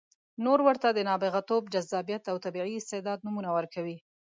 نور ورته د نابغتوب، جذابیت او طبیعي استعداد نومونه ورکوي.